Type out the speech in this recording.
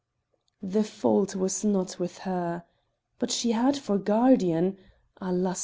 The fault was not with her. But she had for guardian (alas!